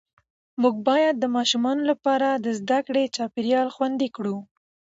موږ باید د ماشومانو لپاره د زده کړې چاپېریال خوندي کړو